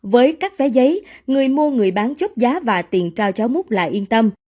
với các vé giấy người mua người bán chốt giá và tiền trao cho múc là yên tâm